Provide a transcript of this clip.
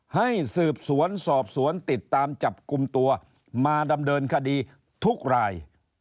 ให้สืบสวนสอบสวนติดตามจับกลุ่มตัวมาดำเนินคดีทุกราย